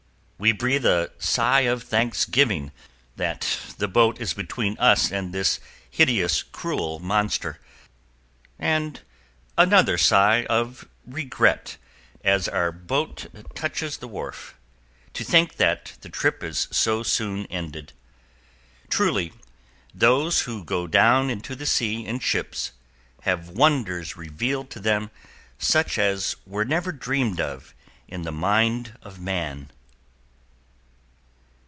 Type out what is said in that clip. We breathe a sigh of thanksgiving that the boat is between us and this hideous, cruel monster, and another sigh of regret as our boat touches the wharf, to think that the trip is so soon ended. Truly, "those who go down into the sea in ships" have wonders revealed to them such as were never dreamed of in the mind of man.